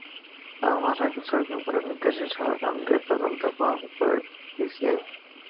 চার মাস আগে সুপ্রিম কোর্টের নির্দেশে সারদাকাণ্ডের তদন্তভার গ্রহণ করে সিবিআই।